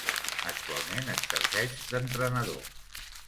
Actualment exerceix d'entrenador.